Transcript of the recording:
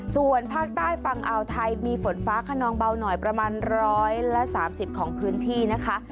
ส่วนภาคใต้ฝั่งอ่าวไทยมีฝนฟ้าขนองเบาหน่อยประมาณ๑๓๐ของพื้นที่นะคะ